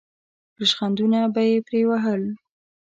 ریشخندونه به یې پرې وهل.